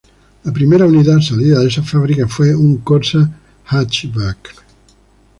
La primera unidad salida de esa fábrica, fue un Corsa Hatchback.